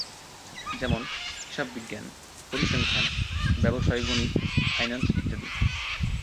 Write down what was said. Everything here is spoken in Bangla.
যেমনঃ হিসাববিজ্ঞান, পরিসংখ্যান, ব্যাবসায় গণিত, ফাইন্যান্স ইত্যাদি।